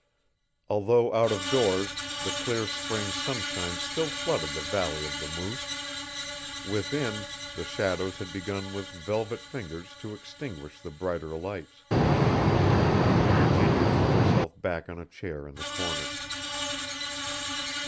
Although out of doors the clear spring sunshine still flooded the valley of the Moose; within, the shadows had begun with velvet fingers to extinguish the brighter lights. Virginia threw herself back on a chair in the corner.